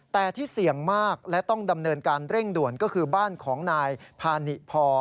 แต่ที่เสี่ยงมากและต้องดำเนินการเร่งด่วนก็คือบ้านของนายพานิพอ